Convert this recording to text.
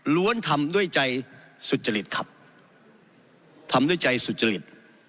ทำด้วยใจสุจริตครับทำด้วยใจสุจริต